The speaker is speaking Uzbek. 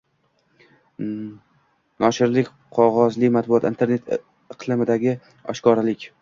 noshirlik, qog‘ozli matbuot, internet iqlimidagi oshkoralik